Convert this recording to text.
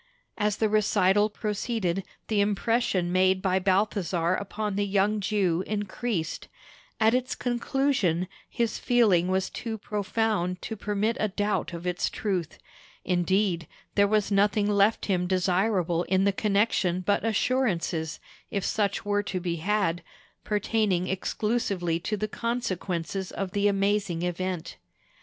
As the recital proceeded, the impression made by Balthasar upon the young Jew increased; at its conclusion, his feeling was too profound to permit a doubt of its truth; indeed, there was nothing left him desirable in the connection but assurances, if such were to be had, pertaining exclusively to the consequences of the amazing event.